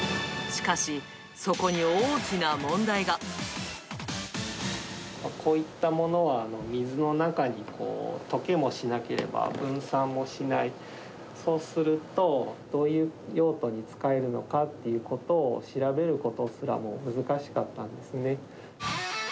しかし、こういったものは、水の中に溶けもしなければ、分散もしない、そうすると、どういう用途に使えるのかっていうことを調べることすらもう難しかったんですね。